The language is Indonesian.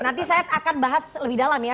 nanti saya akan bahas lebih dalam ya